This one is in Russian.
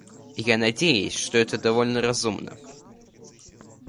Я надеюсь, что это довольно разумно.